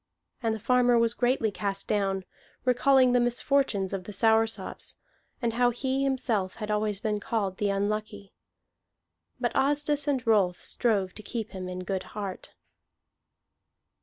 And the farmer was greatly cast down, recalling the misfortunes of the Soursops, and how he himself had been always called the Unlucky. But Asdis and Rolf strove to keep him in good heart.